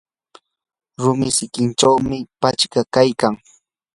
rumi sikinchawmi pachka kaykan.